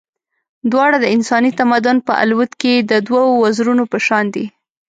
دواړه د انساني تمدن په الوت کې د دوو وزرونو په شان دي.